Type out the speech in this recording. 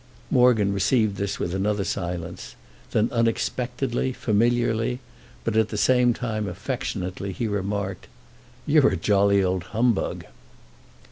Morgan received this with another silence; then unexpectedly, familiarly, but at the same time affectionately, he remarked: "You're a jolly old humbug!"